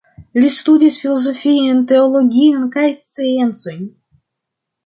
Li studis filozofion, teologion kaj sciencojn.